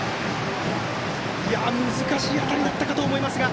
難しい当たりだったかと思いますが。